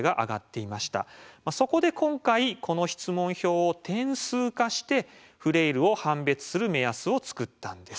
そこで今回この質問票を点数化してフレイルを判別する目安を作ったんです。